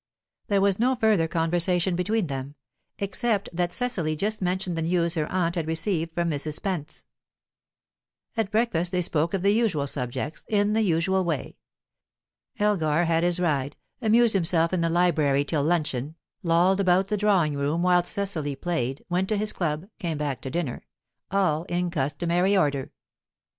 There was no further conversation between them except that Cecily just mentioned the news her aunt had received from Mrs. Spence. At breakfast they spoke of the usual subjects, in the usual way. Elgar had his ride, amused himself in the library till luncheon, lolled about the drawing room whilst Cecily played, went to his club, came back to dinner, all in customary order.